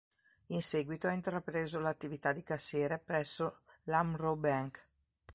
In seguito ha intrapreso l'attività di cassiere presso l'Amro Bank.